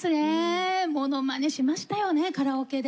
ものまねしましたよねカラオケで。